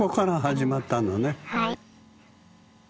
はい。